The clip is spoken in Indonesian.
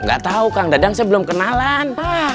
gak tahu kang dadang saya belum kenalan